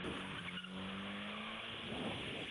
Esta fue la primera universidad ubicada en el Callao.